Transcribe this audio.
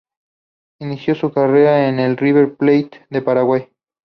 Inició su carrera en el River Plate de Paraguay.